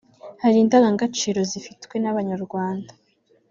Hari indangagaciro zifitwe n’abanyarwanda